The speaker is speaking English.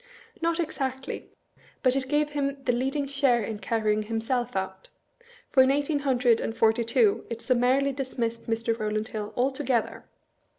Not exactly, but it gave him the leading share in carrying himself out : for in eighteen hundred and forty two it summarily dismissed Mr. Row land Hill altogether!